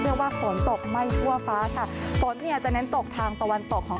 เพราะว่าฝนตกไหม้ทั่วฟ้าค่ะฝนเนี่ยจะเน้นตกทางตะวันตกของ